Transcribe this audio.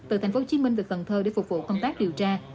từ tp hcm về cần thơ để phục vụ công tác điều tra